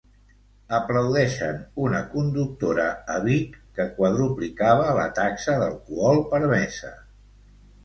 Aplaudeixen una conductora a Vic que quadruplicava la taxa d'alcohol permesa.